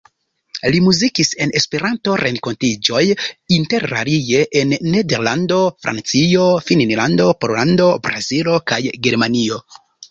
Li muzikis en Esperanto-renkontiĝoj interalie en Nederlando, Francio, Finnlando, Pollando, Brazilo kaj Germanio.